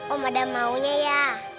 om ada maunya ya